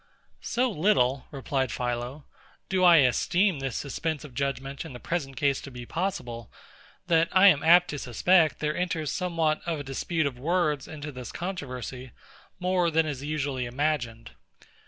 So little, replied PHILO, do I esteem this suspense of judgement in the present case to be possible, that I am apt to suspect there enters somewhat of a dispute of words into this controversy, more than is usually imagined.